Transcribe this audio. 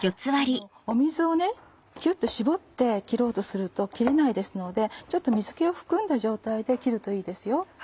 水をぎゅっと絞って切ろうとすると切れないですのでちょっと水気を含んだ状態で切るといいですよ。